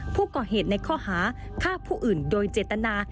ผู้ก่อเหตุในข้อหาฆ่าผู้อื่นโดยเจตนา